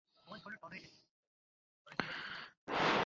Sir, ধন্যবাদ, sir.